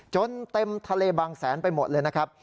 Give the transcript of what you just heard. จนเต็มทะเลบางแสนไปหมดเลยนะครับ